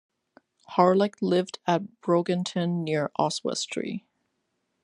Harlech lived at Brogyntyn near Oswestry.